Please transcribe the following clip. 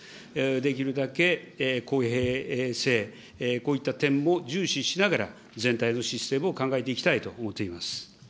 できるだけ公平性、こういった点も重視しながら、全体のシステムを考えていきたいと思っておりま